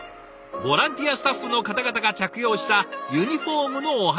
ボランティアスタッフの方々が着用したユニフォームのお話。